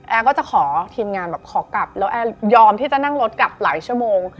ก็จะขอทีมงานแบบขอกลับแล้วแอร์ยอมที่จะนั่งรถกลับหลายชั่วโมง